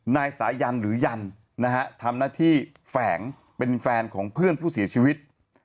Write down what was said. นายสายันหรือยันนะฮะทำหน้าที่แฝงเป็นแฟนของเพื่อนผู้เสียชีวิต